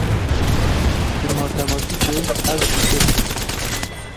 Ji matematîkê hez dikir.